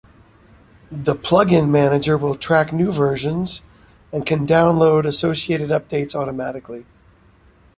The plugin manager will track new versions and can download associated updates automatically.